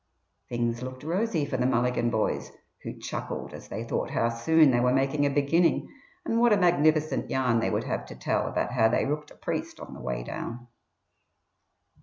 Things looked rosy for the Mulligan boys, who chuckled as they thought how soon they were making a beginning, and what a magnificent yarn they would have to tell about how they rooked a priest on the way down.